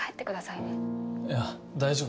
いや大丈夫。